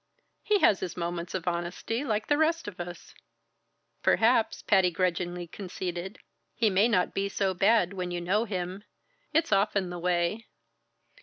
"He has his moments of honesty like the rest of us." "Perhaps," Patty grudgingly conceded, "he may not be so bad when you know him. It's often the way.